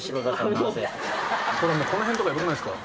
ほらもうこの辺とかやばくないっすか？